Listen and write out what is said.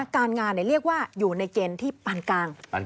การงานเรียกว่าอยู่ในเกณฑ์ที่ปานกลาง